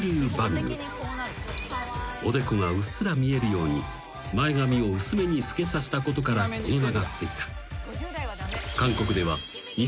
［おでこがうっすら見えるように前髪を薄めに透けさせたことからこの名が付いた］